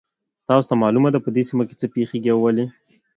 تاسو ته معلومه ده چې په دې سیمه کې څه پېښیږي او ولې